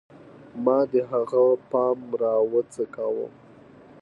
ما د هغه پام راوڅکاوه